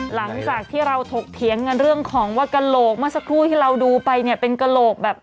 หลังจากที่เราถกเถียงกันเรื่องของว่ากระโหลกเมื่อสักครู่ที่เราดูไปเนี่ยเป็นกระโหลกแบบ